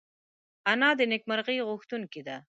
انا د نېکمرغۍ غوښتونکې ده